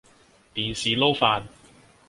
電視撈飯